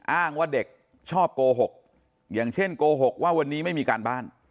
อ้างว่าเด็กชอบโกหกอย่างเช่นโกหกว่าวันนี้ไม่มีการบ้าน